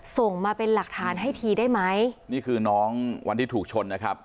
ส่งมาเป็นหลักฐานให้ทีได้ไหมนี่คือน้องวันที่ถูกชนนะครับ